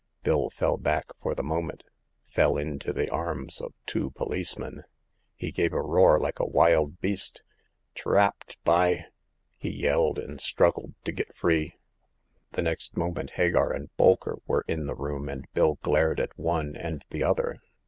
Bill fell back for the moment — fell into the arms of two policeman. He gave a roar like a wild beast. Trapped, by !" he yelled, and struggled to get free. The next moment Hagar and Bolker were in the room, and Bill glared at one and the other.